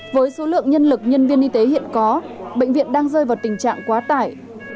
với số lượng nhân lực nhân viên y tế hiện có bệnh viện đang rơi vào tình trạng quá tải